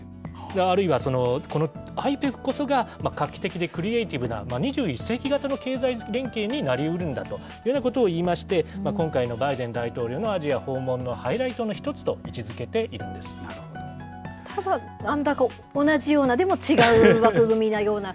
あるいはこのＩＰＥＦこそが、画期的でクリエーティブな２１世紀型の経済連携になりうるんだというようなことを言いまして、今回のバイデン大統領のアジア訪問のハイライトの一つと位置づけただ、同じような、でも違う枠組みなような。